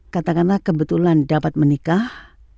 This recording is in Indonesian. katakanlah kebetulan dapat menikah